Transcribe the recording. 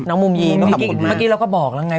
น้องมุมยิ้มเมื่อกี้เราก็บอกแล้วไง